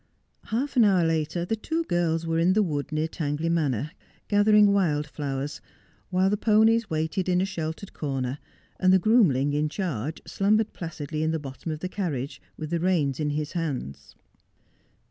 Half an hour later the two girls were in the wood near Tang ley Manor, gathering wild flowers, while the ponies waited in a sheltered corner, and the groomling in charge slumbered placidly in the bottom of the carriage, with the reins in his hands.